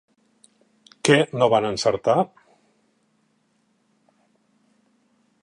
Què no van encertar?